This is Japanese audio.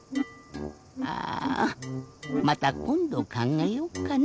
あまたこんどかんがえよっかな。